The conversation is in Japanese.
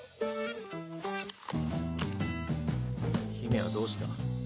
姫はどうした？